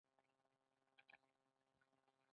که په لاسونو واړه خو بې کچې زیات خوځښتونه ترسره کړئ